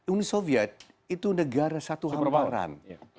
uni soviet itu negara satu hamparan